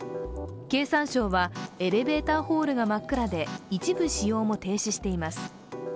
経産省はエレベーターホールが真っ暗で一部使用も停止しています。